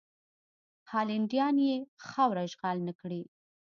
هالنډیان یې خاوره اشغال نه کړي.